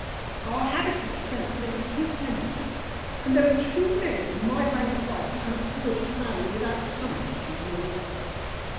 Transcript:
"Our habits of expense make us too dependent, and there are not many in my rank of life who can afford to marry without some attention to money."